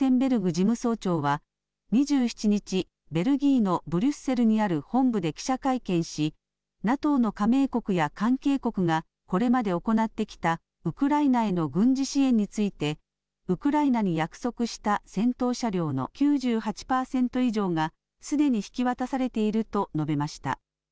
事務総長は２７日、ベルギーのブリュッセルにある本部で記者会見しＮＡＴＯの加盟国や関係国がこれまで行ってきたウクライナへの軍事支援についてウクライナに約束した戦闘車両の９８％以上がすでに引き渡されていると述べました。